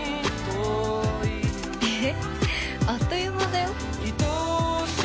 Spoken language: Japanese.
え、あっという間だよ。